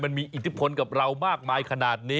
อิทธิพลกับเรามากมายขนาดนี้